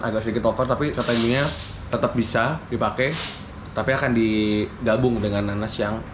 agak sedikit over tapi katanya ininya tetap bisa dipakai tapi akan digabung dengan nanas yang